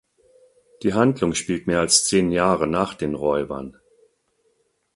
Die Handlung spielt mehr als zehn Jahre nach den „Räubern“.